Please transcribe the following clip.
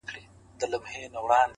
هره شېبه د سم تصمیم وخت کېدای شي’